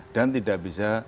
dan tidak bisa